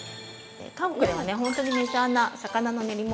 韓国ではほんとにメジャーな魚の練り物。